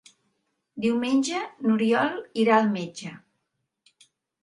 Diumenge n'Oriol irà al metge.